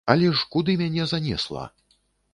Але ж куды мяне занесла!